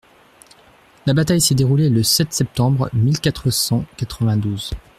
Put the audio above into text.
La bataille s’est déroulée le sept septembre mille quatre cent quatre-vingt-douze.